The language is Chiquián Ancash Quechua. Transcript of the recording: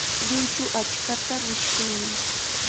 Lluychu aychata mishkinmi.